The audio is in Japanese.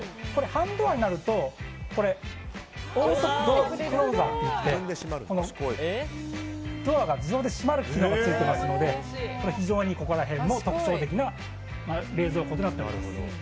半ドアになるとオートクローズといってドアが自動で閉まる機能がついていますので非常にここら辺も特徴的な冷蔵庫となっています。